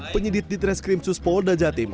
penyedit di tres krim suspo dajatim